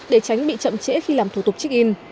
để tránh bị chậm trễ khi làm thủ tục check in